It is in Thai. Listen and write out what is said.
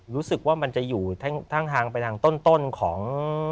รู้สึกว่ามันจะอยู่ข้างทางไปทางต้นของ